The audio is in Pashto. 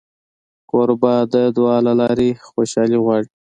کوربه د دعا له لارې خوشالي غواړي.